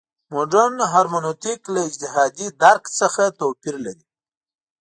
مډرن هرمنوتیک له اجتهادي درک څخه توپیر لري.